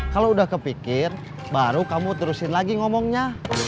kalau udah kepikir baru kamu terusin lagi ngomongnya